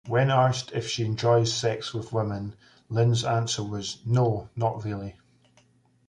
When asked if she enjoys sex with women, Lynn's answer was: No, not really.